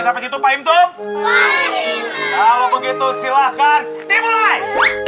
sampai itu pak imtum kalau begitu silahkan dimulai